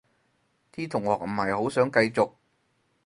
啲同學唔係好想繼續